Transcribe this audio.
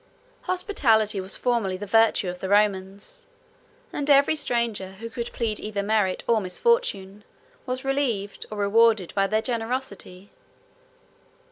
Hospitality was formerly the virtue of the Romans; and every stranger, who could plead either merit or misfortune, was relieved, or rewarded by their generosity.